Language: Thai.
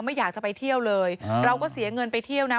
ไม่อยากจะไปเที่ยวเลยเราก็เสียเงินไปเที่ยวนะ